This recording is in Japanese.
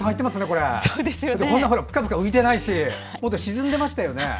それからこんなにぷかぷか浮いてないしもっと沈んでましたよね。